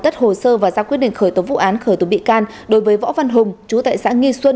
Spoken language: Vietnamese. tất hồ sơ và ra quyết định khởi tố vụ án khởi tố bị can đối với võ văn hùng chú tại xã nghi xuân